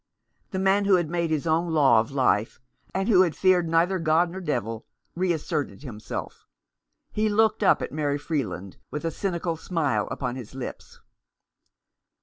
The man who had made his own law of life, and who feared neither God nor devil, reasserted himself. He looked up at Mary Freeland with a cynical smile upon his lips.